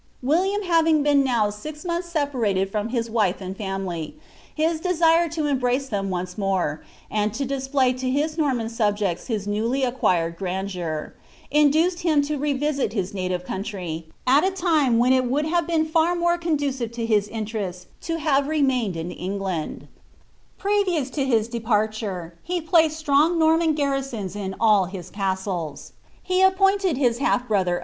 William having betn now 't monib* separated from hi> wife and family, his desire to rtnbnec Ihem once mure, and to display to his Norman subjects his newljr Kquired grandeur, induced him lo revisit his native cuuntr} , at a tine when it woulil liave been far more conducive to his interests to have f mnAined in England, Previoirs to his depnrtum, he placed strong Nor aian garrisons in all his awt\e* ; be appointed his half brother.